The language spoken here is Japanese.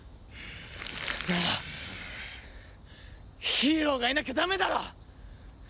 ならヒーローがいなきゃダメだろ！